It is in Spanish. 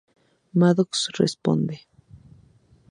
Maddox responde.